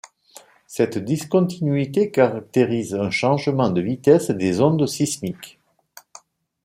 Cette discontinuité caractérise un changement de vitesse des ondes sismiques.